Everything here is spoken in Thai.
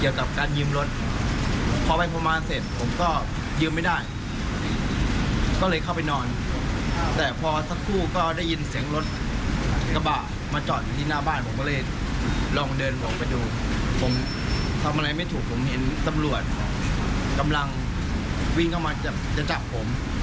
วันที่สุดผมเห็นตำรวจกำลังวิ่งเข้ามาจะจับผม